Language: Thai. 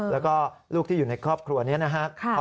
แล้วก็ลูกที่อยู่ในครอบครัวนี้นะครับ